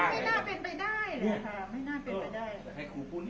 ไม่น่าเป็นไปได้เลยนะคะไม่น่าเป็นไปได้ให้ครูพูนิดหนึ่งเลย